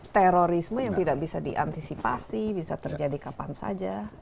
terorisme yang tidak bisa diantisipasi bisa terjadi kapan saja